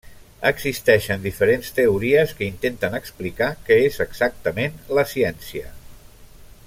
Existeixen diferents teories que intenten explicar què és exactament la ciència.